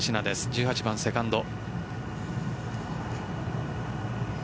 １８番セカンド。